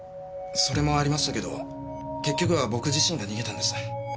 それもありましたけど結局は僕自身が逃げたんです。